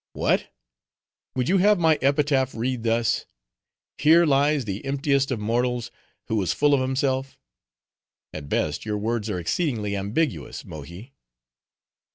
"What! would you have my epitaph read thus:—'Here lies the emptiest of mortals, who was full of himself?' At best, your words are exceedingly ambiguous, Mohi."